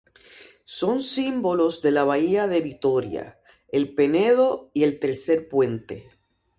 Son símbolos de la bahía de Vitória: el Penedo y el Tercer Puente.